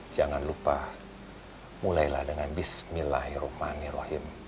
jangan lupa mulailah dengan bismillahirrahmanirrahim